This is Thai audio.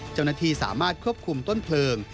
เจ้าหน้าที่สามารถควบคุมต้นเพลิง